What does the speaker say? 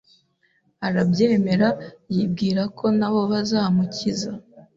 arabyemera yibwira ko nabo bazamukiza